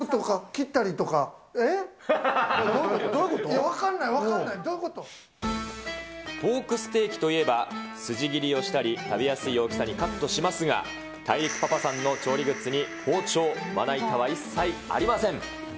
お肉とか切ったりとか、分かんない、分かんない、ポークステーキといえば、筋切りをしたり、食べやすい大きさにカットしますが、大陸パパさんの調理グッズに、包丁、まな板は一切ありません。